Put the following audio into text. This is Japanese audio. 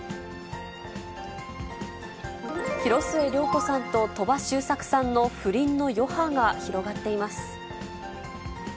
広末涼子さんと鳥羽周作さんの不倫の余波が広がっています。